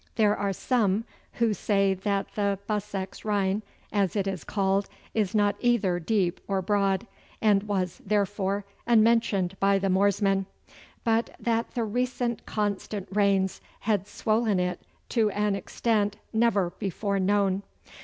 There are some who say that the Bussex Rhine, as it is called, is not either deep or broad, and was, therefore, unmentioned by the moorsmen, but that the recent constant rains had swollen it to an extent never before known.